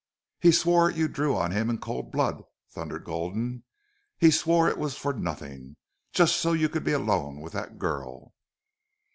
"He swore you drew on him in cold blood," thundered Gulden. "He swore it was for nothing just so you could be alone with that girl!"